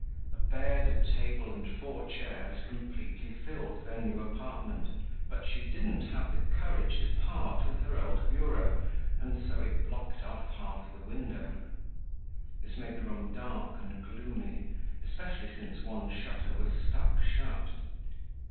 A bed, a table, and four chairs completely filled their new apartment but she didn't have the courage to part with her old bureau and so it blocked off half the window. This made the room dark and gloomy, especially since one shutter was stuck shut.